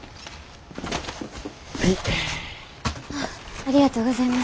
ありがとうございます。